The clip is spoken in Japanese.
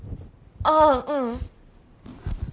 ああううん。